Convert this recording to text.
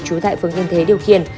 trú tại phường yên thế điều khiển